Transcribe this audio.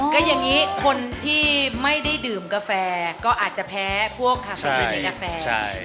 ก็อย่างนี้คนที่ไม่ได้ดื่มกาแฟก็อาจจะแพ้พวกคาเฟ่มีกาแฟ